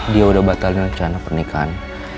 dia udah batalin rencana pernikahan